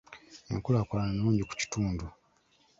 Enkulaakulana nnungi ku kitundu.